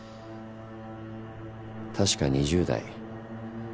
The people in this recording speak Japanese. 確か２０代。